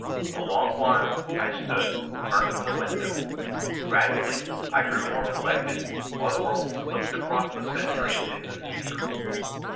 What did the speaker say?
A long while, I stood, turned from the window. Gradually, I grew more collected, while the world slipped across the centuries into the future.